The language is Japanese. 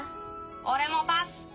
俺もパス。